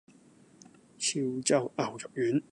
潮州牛肉丸